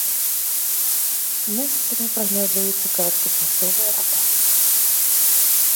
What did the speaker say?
Месцамі прагназуюцца кароткачасовыя ападкі.